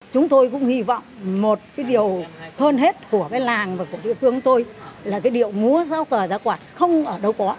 chúng tôi cũng hy vọng một điều hơn hết của cái làng và của địa phương tôi là cái địa múa giáo cờ giáo quạt không ở đâu có